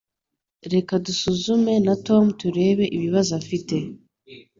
Reka dusuzume na Tom turebe ibibazo afite